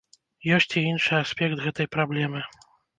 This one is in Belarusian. Есць і іншы аспект гэтай праблемы.